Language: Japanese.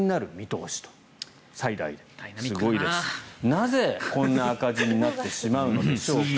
なぜ、こんな赤字になってしまうんでしょうか。